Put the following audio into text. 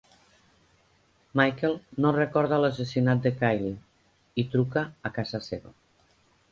Michael no recorda l'assassinat de Kyle i truca a casa seva.